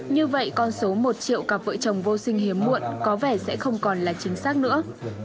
như vậy con số một triệu cặp vợ chồng vô sinh hiếm muộn có vẻ sẽ không còn là chính xác nữa